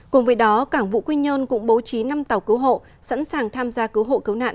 cùng với đó cảng vụ quy nhơn cũng bố trí năm tàu cứu hộ sẵn sàng tham gia cứu hộ cứu nạn